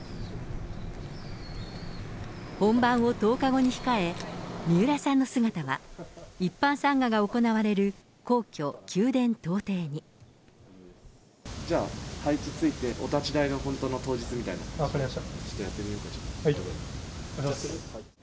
本番を１０日後に控え、三浦さんの姿は、一般参賀が行われる、じゃあ、配置ついて、お立ち台の本当の当日みたいな形で、分かりました。